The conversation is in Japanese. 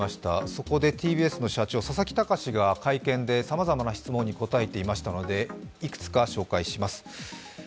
そこでＴＢＳの社長、佐々木卓が会見でさまざまな質問に答えていましたのでいくつか紹介します。